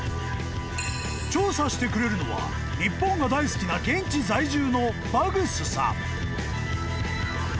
［調査してくれるのは日本が大好きな現地在住の］